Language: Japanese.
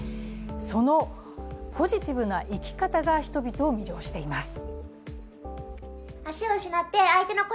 そのポジティブな生き方が人々を魅了しています。